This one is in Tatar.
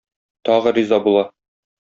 Тагы риза була.